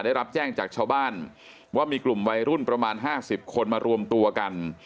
ได้รับแจ้งจากชาวบ้านว่ามีกลุ่มวัยรุ่นประมาณ๕๐คนมารวมตัวกัน